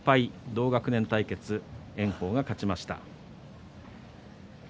同学年対決は炎鵬が勝ちました。